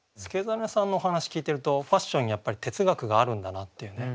祐真さんのお話聞いてるとファッションにやっぱり哲学があるんだなっていうね